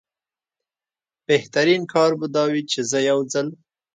بهترین کار به دا وي چې زه یو ځل.